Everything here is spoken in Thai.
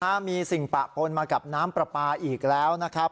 ฮะมีสิ่งปะปนมากับน้ำปลาปลาอีกแล้วนะครับ